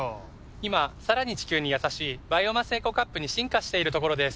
今さらに地球にやさしいバイオマスエコカップに進化しているところです。